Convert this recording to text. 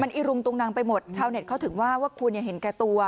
อิรุงตุงนังไปหมดชาวเน็ตเขาถึงว่าว่าคุณเห็นแก่ตัว